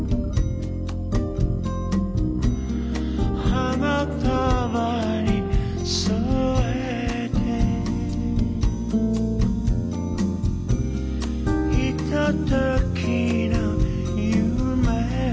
「花束に添えて」「ひとときの夢を」